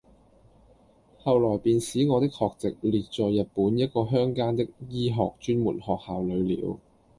後來便使我的學籍列在日本一個鄉間的醫學專門學校裏了。